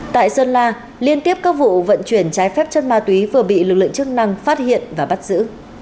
tại sơn la liên tiếp các vụ vận chuyển trái phép chân ma túy vừa bị lực lượng chức năng phát hiện và bắt giữ